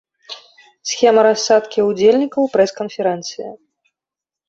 Схема рассадкі ўдзельнікаў прэс-канферэнцыі.